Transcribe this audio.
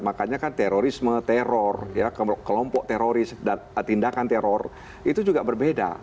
makanya kan terorisme teror kelompok teroris tindakan teror itu juga berbeda